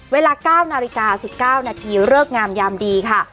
เวลา๙นาฬิกา๑๙นาทีเริกงามยามดีค่ะ